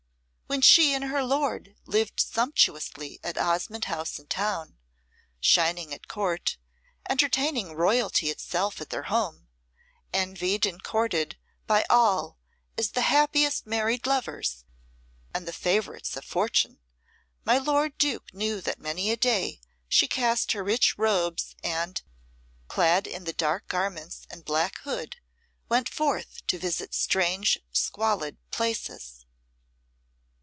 When she and her lord lived sumptuously at Osmonde House in town, shining at Court, entertaining Royalty itself at their home, envied and courted by all as the happiest married lovers and the favourites of Fortune, my lord Duke knew that many a day she cast her rich robes and, clad in the dark garments and black hood, went forth to visit strange, squalid places.